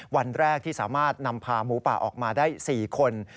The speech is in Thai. วันแรกที่สามารถนำพาหมูป่าออกมาได้๔คน